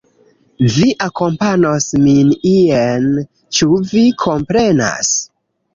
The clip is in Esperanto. Vi akompanos min ien. Ĉu vi komprenas?